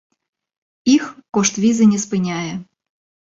Іх кошт візы не спыняе!